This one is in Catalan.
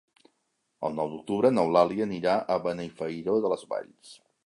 El nou d'octubre n'Eulàlia anirà a Benifairó de les Valls.